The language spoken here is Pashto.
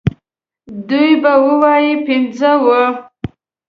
دوی به ووايي پنځه وو.